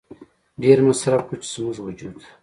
ډېر مصرف کړو چې زموږ وجود